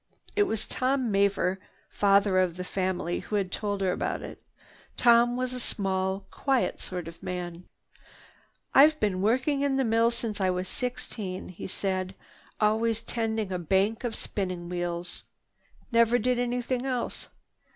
It was Tom Maver, father of the family, who had told her about it. Tom was a small, quiet sort of man. "I've worked in the mill since I was sixteen," he said. "Always tending a bank of spinning wheels. Never did anything else.